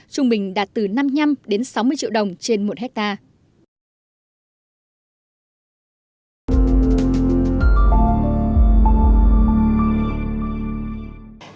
trung bình đạt từ năm mươi năm đến sáu mươi triệu đồng trên một hectare